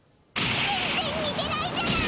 全ぜんにてないじゃない！